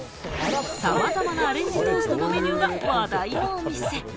さまざまなアレンジトーストのメニューが話題のお店。